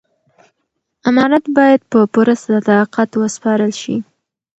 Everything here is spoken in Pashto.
امانت باید په پوره صداقت وسپارل شي.